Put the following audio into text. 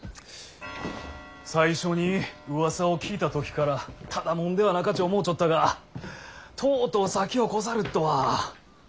最初にうわさを聞いた時からただ者ではなかち思うちょったがとうとう先を越さるっとは。